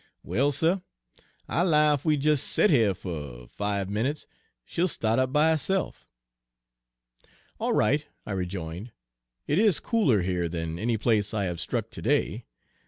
Page 202 "Well, suh, I 'low ef we des set heah fo' er fibe minutes, she'll sta't up by herse'f." "All right," I rejoined; "it is cooler here than any place I have struck today.